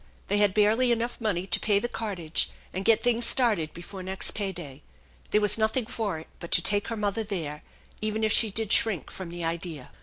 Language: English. They had barely enough money to pay the cartage and get things started before next pay day. There was nothing for it but to take her mother there, even if she did shrink from the idea.